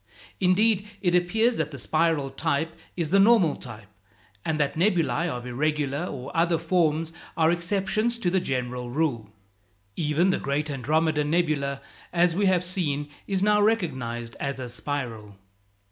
Indeed, it appears that the spiral type is the normal type, and that nebulæ of irregular or other forms are exceptions to the general rule. Even the great Andromeda nebula, as we have seen, is now recognized as a spiral.